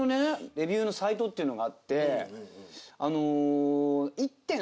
レビューのサイトっていうのがあって。